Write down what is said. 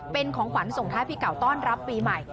เป็นของขวัญส่งท้ายปีเก่าต้อนรับปีใหม่